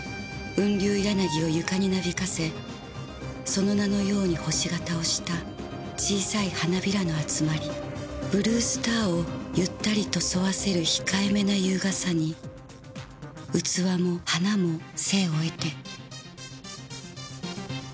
「雲龍柳を床になびかせその名のように星型をした小さい花びらの集まりブルースターをゆったりと添わせる控えめな優雅さに器も花も生を得て」